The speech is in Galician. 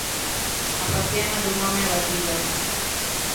A faciana dun home abatido.